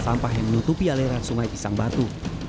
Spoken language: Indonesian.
sampah yang menutupi aliran sungai pisang batu